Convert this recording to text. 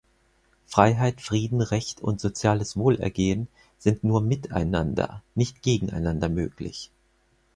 Freiheit, Frieden, Recht und soziales Wohlergehen sind nur miteinander, nicht gegeneinander möglich.